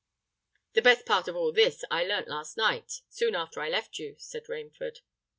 "The best part of all this I learnt last night, soon after I left you," said Rainford.